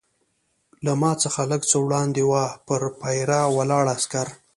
له ما څخه لږ څه وړاندې وه، پر پیره ولاړ عسکر.